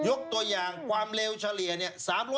ยกตัวอย่างความเร็วเฉลี่ยเนี่ย